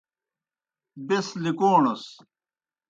بیْس لِکَوݨَس۔